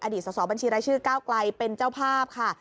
อดีตส่อบัญชีรายชื่อเก้ากลายเป็นเจ้าภาพค่ะ